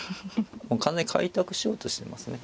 完全に開拓しようとしてますね